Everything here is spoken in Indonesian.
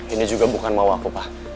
ini juga bukan mau aku pak